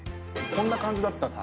こんな感じだった。